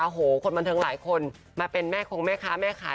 โอ้โหคนบันเทิงหลายคนมาเป็นแม่คงแม่ค้าแม่ขาย